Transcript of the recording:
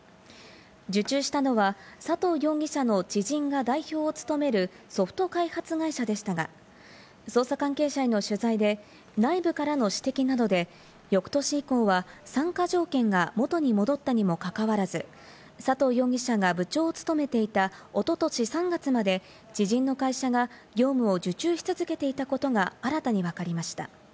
受注したのは佐藤容疑者の知人が代表を務めるソフト開発会社でしたが、捜査関係者への取材で内部からの指摘などで、翌年以降は参加条件が元に戻ったにも関わらず、佐藤容疑者が部長を務めていたおととし３月まで知人の会社が業務を受注し続けていたことが新たにわかりました。